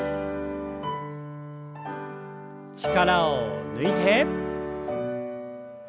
力を抜いて。